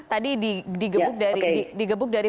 tadi di gebuk dari